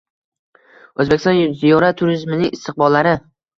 O‘zbekiston ziyorat turizmining istiqbollari